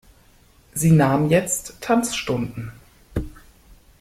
Sie nahm jetzt Tanzstunden.